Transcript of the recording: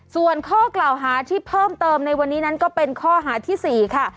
ส่วนข้อกล่าวหาที่เพิ่มเติมในวันนี้นั้นก็เป็นข้อหาที่๔ค่ะ